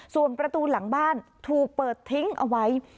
ส่วนประตูหลังบ้านถูกเปิดทิ้งเอาไว้